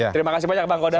terima kasih banyak bang kodar